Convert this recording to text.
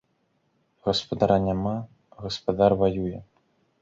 Гаспадара няма, гаспадар ваюе.